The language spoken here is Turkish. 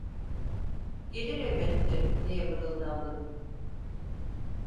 Gelir elbette! diye mırıldandım.